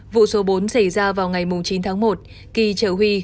vụ số bốn xảy ra vào ngày chín tháng một kỳ trợ huy